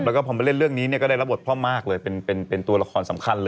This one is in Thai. แล้วก็พอมาเล่นเรื่องนี้เนี่ยก็ได้รับบทพ่อมากเลยเป็นตัวละครสำคัญเลย